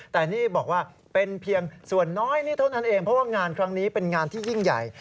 แต่นี่บอกว่าเป็นเพียงส่วนน้อยนี่เท่านั้นเองเพราะว่างานครั้งนี้เป็นงานที่ยิ่งใหญ่